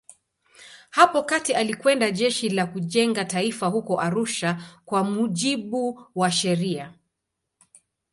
Hapo kati alikwenda Jeshi la Kujenga Taifa huko Arusha kwa mujibu wa sheria.